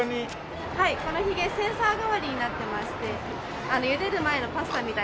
はいこのヒゲセンサー代わりになってまして茹でる前のパスタみたいな硬さですね。